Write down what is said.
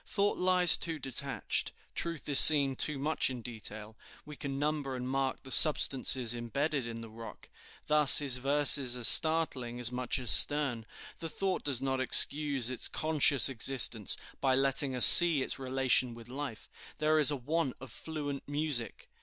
Thought lies too detached, truth is seen too much in detail; we can number and mark the substances imbedded in the rock. Thus his verses are startling as much as stern; the thought does not excuse its conscious existence by letting us see its relation with life; there is a want of fluent music.